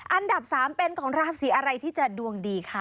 อันดับ๓เป็นของราศีอะไรที่จะดวงดีคะ